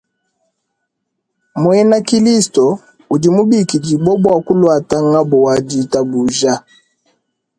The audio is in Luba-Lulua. Muena kilisto udi mubikidibue bua kuluata ngabu wa ditabuja.